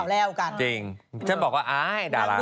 แล้วกันจริงฉันบอกว่าอายดารา